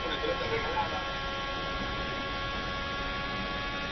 Está parcialmente borrado y tan solo aparece en algunas zonas bajo el texto principal.